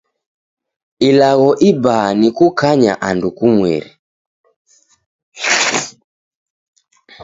Ilagho ibaa ni kukanya andu kumweri.